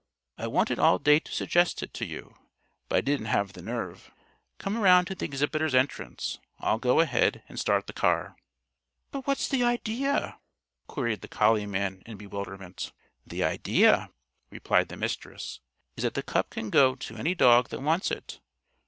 "I wanted all day to suggest it to you, but I didn't have the nerve. Come around to the Exhibitors' Entrance. I'll go ahead and start the car." "But what's the idea?" queried the collie man in bewilderment. "The idea," replied the Mistress, "is that the cup can go to any dog that wants it.